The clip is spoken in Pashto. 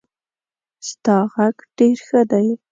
ستا غږ ډېر ښه دی.